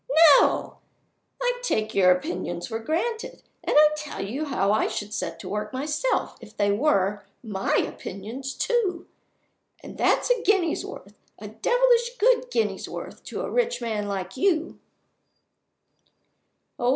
_ No! I take your opinions for granted, and I tell you how I should set to work myself if they were my opinions too and that's a guinea's worth, a devilish good guinea's worth to a rich man like you!"